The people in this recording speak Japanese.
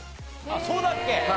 ああそうだっけ。